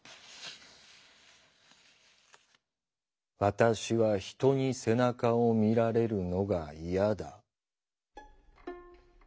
「私は人に背中を見られるのが嫌だ」。